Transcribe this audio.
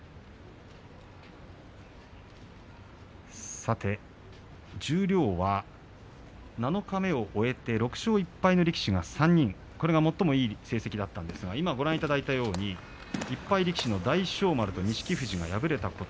さて十両は七日目を終えて６勝１敗の力士が３人これが最もいい成績だったんですが、今ご覧いただいたように１敗力士、大翔丸、錦富士、敗れました。